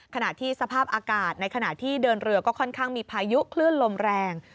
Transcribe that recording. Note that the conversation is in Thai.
ขณะที่สภาพอากาศในขณะที่เดินเรือก็ค่อนข้างมีพายุคลื่นลมแรง